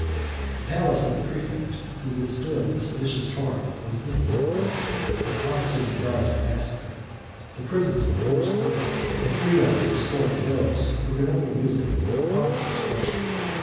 The palace of the præfect, who withstood the seditious torrent, was instantly burnt, his officers and guards were massacred, the prisons were forced open, and freedom was restored to those who could only use it for the public destruction.